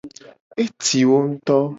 Eti wo ngto.